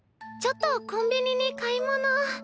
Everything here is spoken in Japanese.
ちょっとコンビニに買い物。